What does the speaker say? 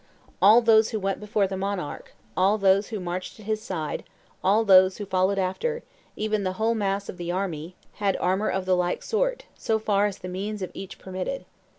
All those who went before the monarch, all those who marched at his side, all those who followed after, even the whole mass of the army, had armor of the like sort, so far as the means of each permitted.